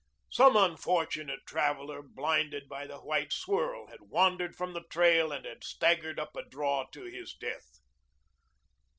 Some unfortunate traveler, blinded by the white swirl, had wandered from the trail and had staggered up a draw to his death.